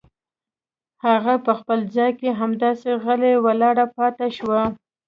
هغه په خپل ځای کې همداسې غلې ولاړه پاتې شوه.